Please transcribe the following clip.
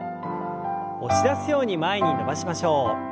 押し出すように前に伸ばしましょう。